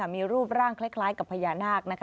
มีรูปร่างคล้ายกับพญานาค